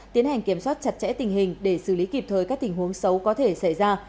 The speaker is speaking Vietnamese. tiến hành kiểm soát chặt chẽ tình hình để xử lý kịp thời các tình huống xấu có thể xảy ra